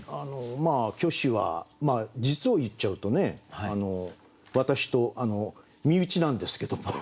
虚子は実を言っちゃうとね私と身内なんですけども。